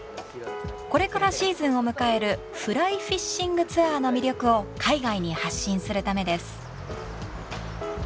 これからシーズンを迎えるフライフィッシングツアーの魅力を海外に発信するためです。